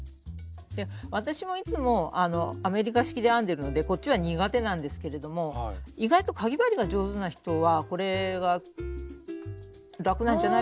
私もいつもアメリカ式で編んでるのでこっちは苦手なんですけれども意外とかぎ針が上手な人はこれが楽なんじゃないかなぁと思ったりします。